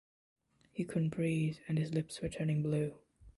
He couldn’t breathe and his lips were turning blue.